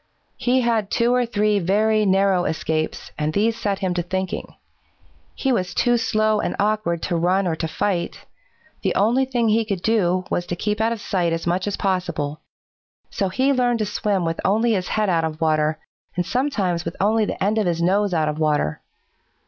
"He had two or three very narrow escapes, and these set him to thinking. He was too slow and awkward to run or to fight. The only thing he could do was to keep out of sight as much as possible. So he learned to swim with only his head out of water, and sometimes with only the end of his nose out of water.